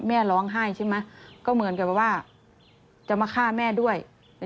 แม่ร้องไห้ใช่ไหมก็เหมือนกับว่าจะมาฆ่าแม่ด้วย